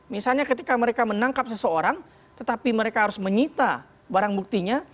misalnya ketika mereka menangkap seseorang tetapi mereka harus menyita barang buktinya